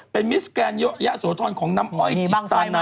เป็นมิสแกนเยอะยะโสธรของน้ำอ้อยจิตตานา